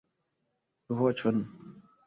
.... voĉon.